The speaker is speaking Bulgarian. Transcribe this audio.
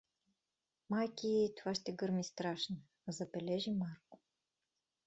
— Майки, това ще гърми страшно — забележи Марко.